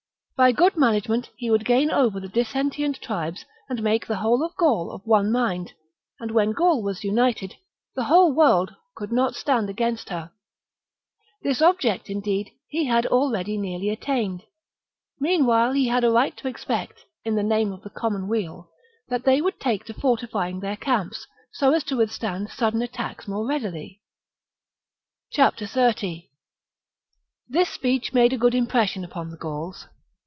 By good management he would gain over the dissentient tribes and make the whole of Gaul of one mind ; and when Gaul was united, the whole world could not stand against her. This object, indeed, he had already nearly attained. Mean while he had a right to expect, in the name of the common weal, that they would take to fortifying their camps, so as to withstand sudden attacks more readily. 30. This speech made a good impression upon the Gauls.